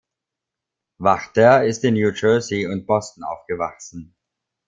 Wachter ist in New Jersey und Boston aufgewachsen.